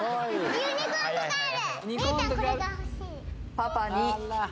パパに。